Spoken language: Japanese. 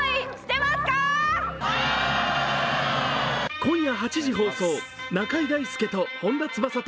今夜８時放送、「中居大輔と本田翼と